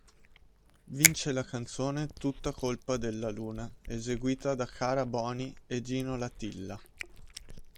Vince la canzone Tutta colpa della luna eseguita da Cara Boni e Gino Latilla.